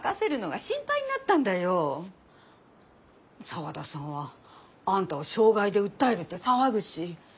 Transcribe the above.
沢田さんはあんたを傷害で訴えるって騒ぐし。